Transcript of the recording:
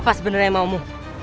apa sebenarnya maumu